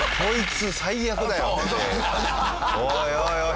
「おいおいおい」